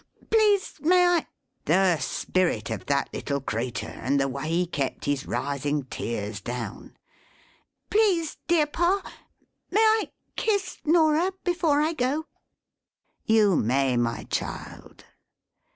"Please may I" the spirit of that little creatur, and the way he kept his rising tears down! "please, dear pa may I kiss Norah before I go?" "You may, my child."